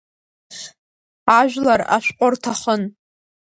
Ажәлар ашәҟы рҭахын.